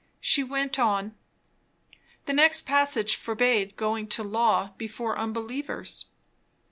She went on. The next passage forbade going to law before unbelievers.